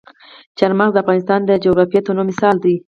چار مغز د افغانستان د جغرافیوي تنوع مثال دی.